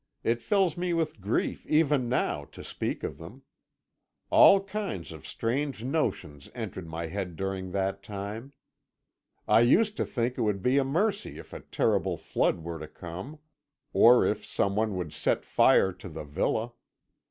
It fills me with grief, even now, to speak of them. All kinds of strange notions entered my head during that time. I used to think it would be a mercy if a terrible flood were to come, or if someone would set fire to the villa.